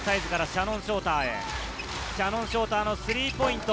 シャノン・ショーターのスリーポイント。